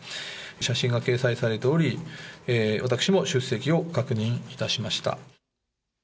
写真が掲載されており、私も出席を確認いたしました。